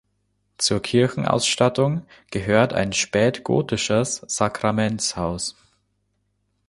Zur Kirchenausstattung gehört ein spätgotisches Sakramentshaus.